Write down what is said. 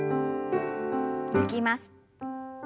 抜きます。